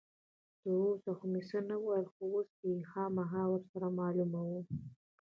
تر اوسه خو مې څه نه ویل، خو اوس یې خامخا ور سره معلوموم.